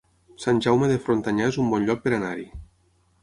Sant Jaume de Frontanyà es un bon lloc per anar-hi